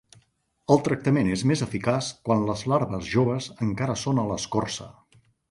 El tractament és més eficaç quan les larves joves encara són a l'escorça.